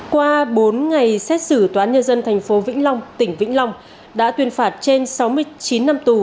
qua bốn ngày xét xử tòa án nhân dân tp vĩnh long tỉnh vĩnh long đã tuyên phạt trên sáu mươi chín năm tù